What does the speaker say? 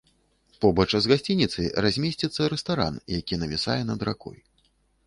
Побач з гасцініцай размесціцца рэстаран, які навісае над ракой.